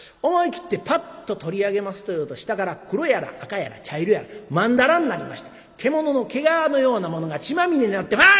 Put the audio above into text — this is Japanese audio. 思い切ってパッと取り上げますというと下から黒やら赤やら茶色やらまんだらになりました獣の毛皮のようなものが血まみれになって。